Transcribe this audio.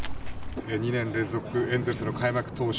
２年連続エンゼルスの開幕投手